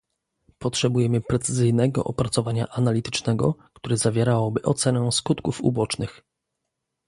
Potrzebujemy precyzyjnego opracowania analitycznego, które zawierałoby ocenę skutków ubocznych